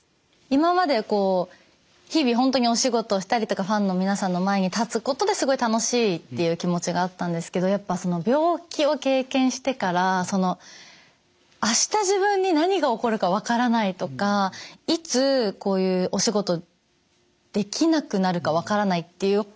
今まではこう日々本当にお仕事をしたりとかファンの皆さんの前に立つことですごい楽しいっていう気持ちがあったんですけどやっぱ病気を経験してから明日自分に何が起こるかわからないとかいつこういうお仕事できなくなるかわからないっていう。